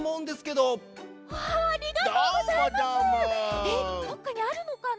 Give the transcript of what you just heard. どっかにあるのかな。